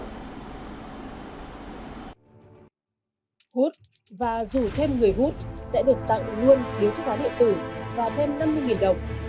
hút và rủ thêm người hút sẽ được tặng luôn điếu thuốc lá điện tử và thêm năm mươi đồng